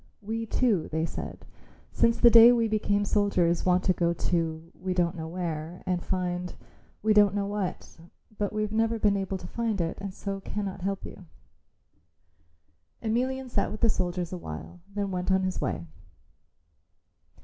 "We too," they said, "since the day we became soldiers want to go to we don't know where and find we don't know what, but we've never been able to find it and so cannot help you." Emelian sat with the soldiers awhile then went on his way.